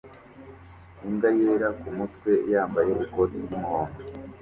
imbwa yera kumutwe yambaye ikoti ry'umuhondo